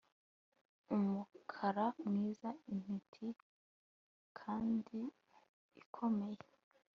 umukara, mwiza, intiti, kandi ikomeye